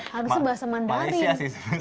harusnya bahasa mandarin